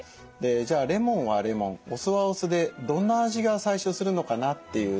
じゃあレモンはレモンお酢はお酢でどんな味が最初するのかなっていう。